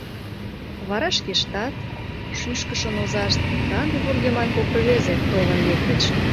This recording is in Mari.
Вара шкештат, шӱшкышын озашт, канде вургеман кок рвезе, толын лектыч.